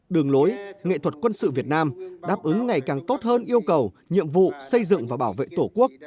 đường lối nghệ thuật quân sự việt nam đáp ứng ngày càng tốt hơn yêu cầu nhiệm vụ xây dựng và bảo vệ tổ quốc